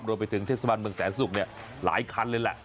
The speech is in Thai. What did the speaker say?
โดยไปถึงเทศบาลเมืองแสนสุขนี่หลายคันเลยแหละ